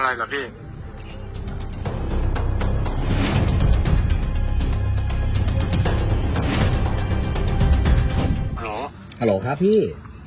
อะไรหรอพี่